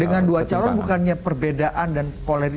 dengan dua calon bukannya perbedaan dan polarisasi